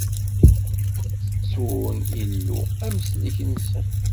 Ttettun Illu, Amsellek-nsen.